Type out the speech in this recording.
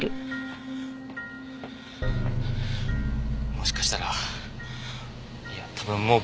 もしかしたらいや多分もうバレてる。